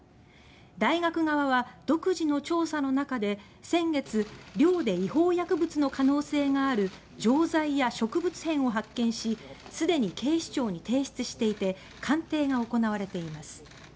大学側は独自の調査の中で先月、寮で違法薬物の可能性がある錠剤や植物片を発見しすでに警視庁に提出していて鑑定が行われています。